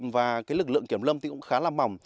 và cái lực lượng kiểm lâm thì cũng khá là mỏng